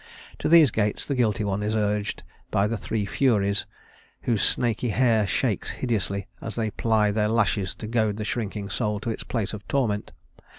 To these gates the guilty one is urged by the three Furies, whose snaky hair shakes hideously as they ply their lashes to goad the shrinking soul to its place of torment.